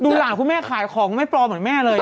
หลานคุณแม่ขายของไม่ปลอมเหมือนแม่เลย